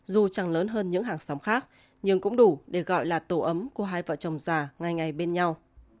dù chẳng lớn hơn những hàng xóm khác nhưng cũng đủ để gọi là tổ ấm của hai vợ chồng già ngay ngày ngày bên nhau